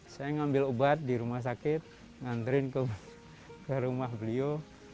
saya ngambil obat di rumah sakit nganterin ke rumah beliau